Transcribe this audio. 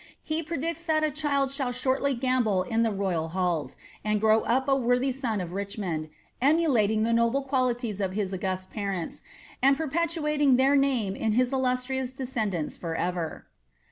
He predicts that a child shall shortly gambol in the royal halls, and grow up a worthy son of Richmond, emulating the noble qualities of his august parents, and perpetuating their name in his illustrious descendants for ever.